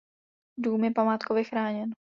Dům je památkově chráněn.